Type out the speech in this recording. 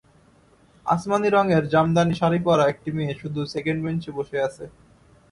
আসমানী রঙের জামদানি শাড়ি পরা একটি মেয়ে শুধু সেকেন্ড বেঞ্চে বসে আছে।